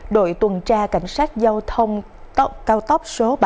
đội tuần tra cảnh sát giao thông cao tốc số ba